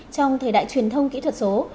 trong thời đại truyền thông kỹ thuật số